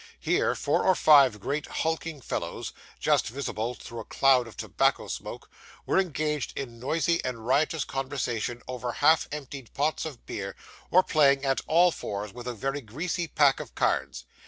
Here, four or five great hulking fellows, just visible through a cloud of tobacco smoke, were engaged in noisy and riotous conversation over half emptied pots of beer, or playing at all fours with a very greasy pack of cards.